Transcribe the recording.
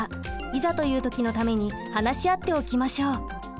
いざという時のために話し合っておきましょう。